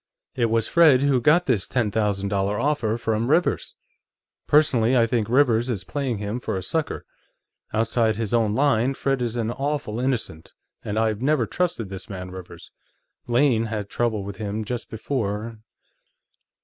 It was Fred who got this ten thousand dollar offer from Rivers. Personally, I think Rivers is playing him for a sucker. Outside his own line, Fred is an awful innocent, and I've never trusted this man Rivers. Lane had some trouble with him, just before